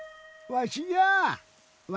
わしじゃよ。